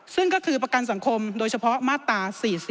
ซึ่งก็คือประกันสังคมโดยเฉพาะมาตรา๔๔